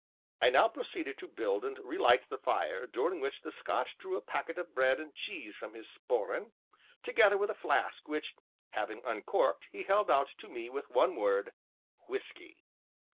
I now proceeded to build and relight the fire, during which the Scot drew a packet of bread and cheese from his sporran, together with a flask which, having uncorked, he held out to me with the one word, "Whuskey!"